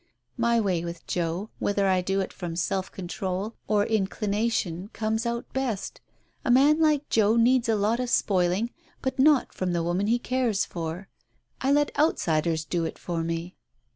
My way with Joe, whether I do it from self control or in clination, comes out best. A man like Joe needs a lot of spoiling, but not from the woman he cares for. I let outsiders do it for me.